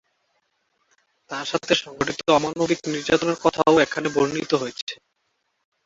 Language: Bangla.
তার সাথে সংঘটিত অমানবিক নির্যাতনের কথাও এখানে বর্ণিত হয়েছে।